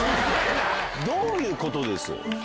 どういうことです？